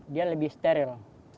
dia lebih steril